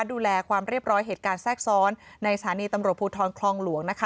ดูแลความเรียบร้อยเหตุการณ์แทรกซ้อนในสถานีตำรวจภูทรคลองหลวงนะคะ